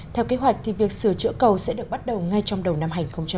theo kế hoạch việc sửa chữa cầu sẽ được bắt đầu ngay trong đầu năm hai nghìn hai mươi